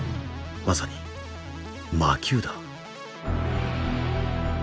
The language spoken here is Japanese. まさに“魔球”だ。